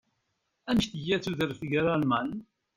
Amek tga tudert deg Alman?